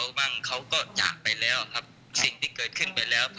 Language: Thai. อาจจะเป็นเพราะหายใจไม่ไหวแล้วน่าจะเป็นการเข้าใจผิดมากกว่า